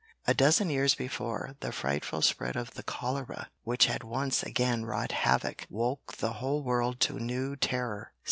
A dozen years before, the frightful spread of the cholera, which had once again wrought havoc, woke the whole world to new terror.